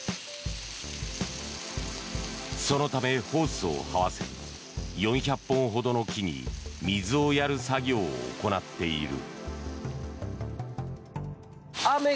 そのため、ホースをはわせ４００本ほどの木に水をやる作業を行っている。